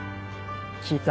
聞いた。